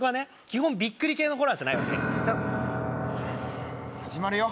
基本ビックリ系のホラーじゃないわけ始まるよ